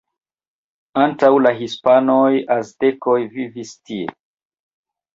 Antaŭ la hispanoj aztekoj vivis tie.